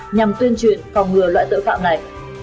nhằm tuyên truyền phòng ngừa loại tự phạm này